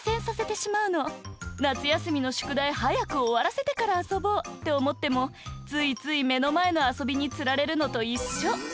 なつやすみのしゅくだいはやくおわらせてからあそぼうっておもってもついつい目の前のあそびにつられるのといっしょ。